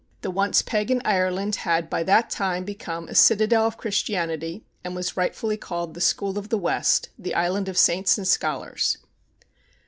The once pagan Ireland had by that time become a citadel of Christianity, and was rightfully called the School of the West, the Island of Saints and Scholars.